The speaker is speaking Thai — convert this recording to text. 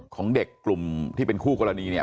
ของเด็กกลุ่มที่เป็นคู่กรณีเนี่ย